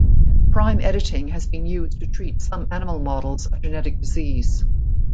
Prime editing has been used to treat some animal models of genetic disease.